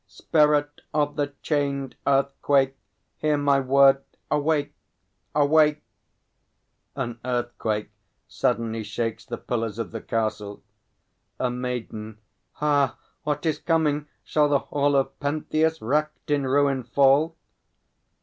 Spirit of the Chained Earthquake, Hear my word; awake, awake! [An Earthquake suddenly shakes the pillars of the Castle. A MAIDEN. Ha! what is coming? Shall the hall Of Pentheus racked in ruin fall?